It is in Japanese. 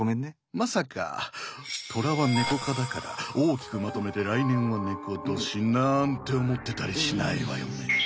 まさか「トラはネコ科だから大きくまとめて来年はネコ年」なんて思ってたりしないわよね。